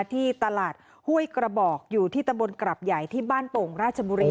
ที่ตลาดห้วยกระบอกอยู่ที่ตำบลกรับใหญ่ที่บ้านโป่งราชบุรี